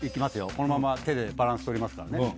このまま手でバランス取りますからね。